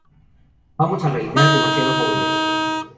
Vamos a reinar demasiado jóvenes.